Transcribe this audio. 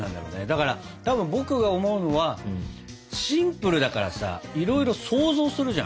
だからたぶん僕が思うのはシンプルだからさいろいろ想像するじゃん。